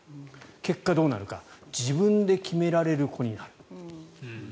結果、どうなるか自分で決められる子になる。